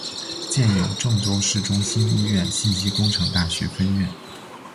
建有郑州市中心医院信息工程大学分院。